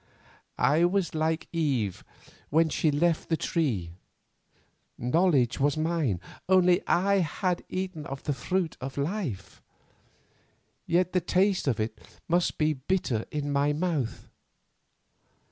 "I was like Eve when she left the Tree; knowledge was mine, only I had eaten of the fruit of Life. Yet the taste of it must be bitter in my mouth.